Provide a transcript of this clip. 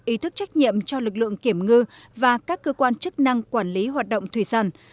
ý thức trách nhiệm cho lực lượng kiểm ngư và các cơ quan chức năng quản lý hoạt động thủy sản